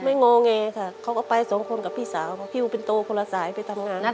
ไม่งงแงค่ะเขาก็ไป๒คนกับพี่สาวเพราะพี่โอเป็นตัวคนละสายไปทำงาน